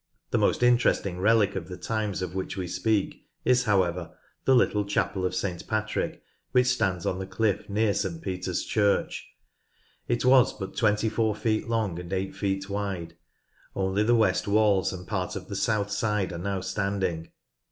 The most interesting relic of the times of which we speak is, however, the little chapel of St Patrick which stands on the cliff near St Peter's Church. It was but 24 feet long and 8 feet wide; only the west walls and part of the south side are now standing.